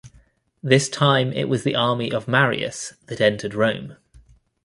This time it was the army of Marius that entered Rome.